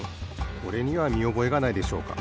これにはみおぼえがないでしょうか。